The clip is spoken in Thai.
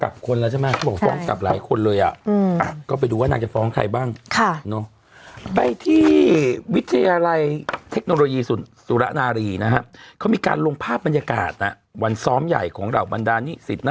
เพราะเดี๋ยวนางก็จะให้ฟ้องกลับคนแล้วใช่ไหม